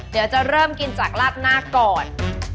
เดี๋ยวจะเริ่มกินจากลาดหน้าก่อน